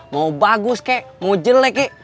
mau bagus kek mau jelek kek